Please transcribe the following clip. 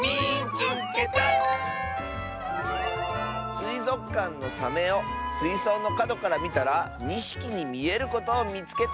「すいぞくかんのサメをすいそうのかどからみたら２ひきにみえることをみつけた！」。